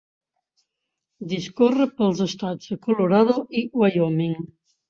Discorre pels estats de Colorado i Wyoming.